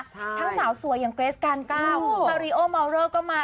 ใช่ทั้งสาวสวยอย่างเกรสกานก้าวอู้วมาริโอมอาวเรอร์ก็มา